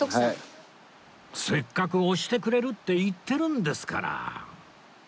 せっかく押してくれるって言ってるんですから